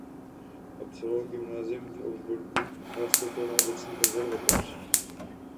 Absolvoval gymnázium v Augsburgu a nastoupil na obecní konzervatoř.